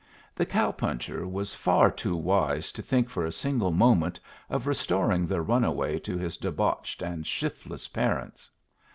The cow puncher was far too wise to think for a single moment of restoring the runaway to his debauched and shiftless parents.